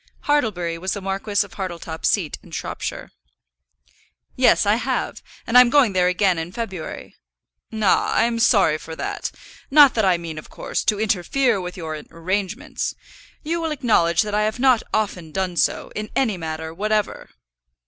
Hartlebury was the Marquis of Hartletop's seat in Shropshire. "Yes, I have. And I'm going there again in February." "Ah, I'm sorry for that. Not that I mean, of course, to interfere with your arrangements. You will acknowledge that I have not often done so, in any matter whatever."